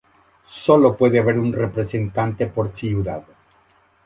Solo puede haber un representante por ciudad.